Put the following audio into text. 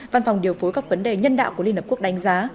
văn phòng điều phối các vấn đề nhân đạo của liên hợp quốc đánh giá